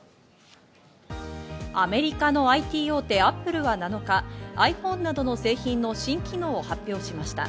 アメリカのＩＴ大手、Ａｐｐｌｅは７日、ｉＰｈｏｎｅなどの製品の新機能を発表しました。